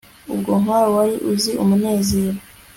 Uwo nkawe wari uzi umunezero